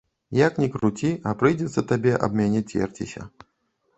Як ні круці, а прыйдзецца табе аб мяне церціся.